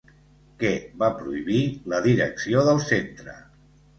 Què va prohibir la direcció del centre?